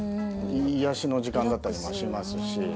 癒やしの時間だったりもしますし。